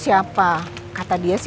saya mau ketemu tante rosa